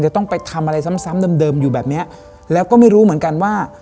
ต้องไปทำอะไรซ้ำซ้ำเดิมเดิมอยู่แบบเนี้ยแล้วก็ไม่รู้เหมือนกันว่า